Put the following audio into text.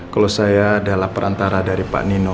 kalau saya adalah perantara dari pak nino